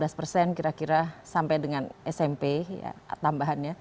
lima belas persen kira kira sampai dengan smp tambahannya